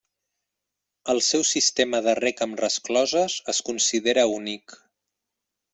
El seu sistema de reg amb rescloses es considera únic.